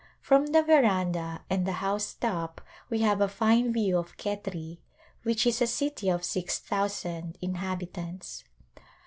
From the veranda and the housetop we have a fine view of Khetri, which is a city of six thousand inhabitants.